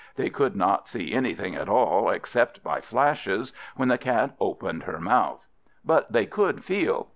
They could not see anything at all, except by flashes, when the Cat opened her mouth, but they could feel.